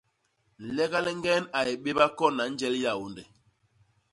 Nlega liñgen a yé béba kona njel Nyaônde.